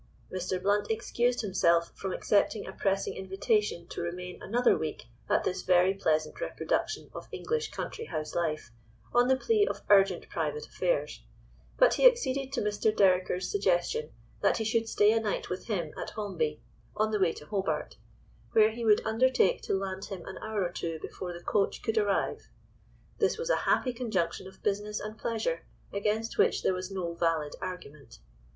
Mr. Blount excused himself from accepting a pressing invitation to remain another week at this very pleasant reproduction of English country house life, on the plea of urgent private affairs, but he acceded to Mr. Dereker's suggestion that he should stay a night with him at Holmby, on the way to Hobart, where he would undertake to land him an hour or two before the coach could arrive. This was a happy conjunction of business and pleasure, against which there was no valid argument.